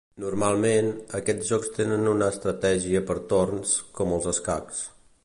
Normalment, aquests jocs tenen una estratègia per torns, com els escacs.